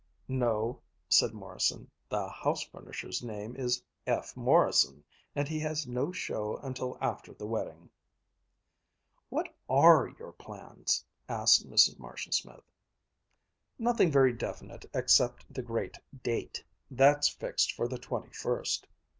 "No," said Morrison, "the house furnisher's name is F. Morrison, and he has no show until after the wedding." "What are your plans?" asked Mrs. Marshall Smith. "Nothing very definite except the great Date. That's fixed for the twenty first."